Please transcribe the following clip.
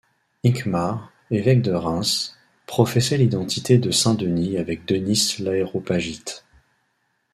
Hincmar, évêque de Reims, professait l'identité de saint Denis avec Denys l'Aréopagite.